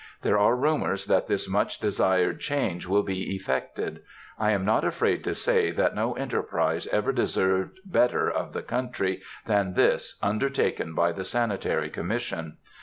There are rumors that this much desired change will be effected. I am not afraid to say that no enterprise ever deserved better of the country than this undertaken by the Sanitary Commission.